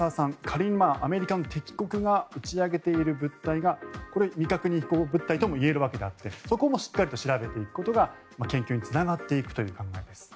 仮にアメリカの敵国が打ち上げている物体が未確認飛行物体とも言えるわけであって、そこもしっかりと調べていくことが研究につながっていくという考えです。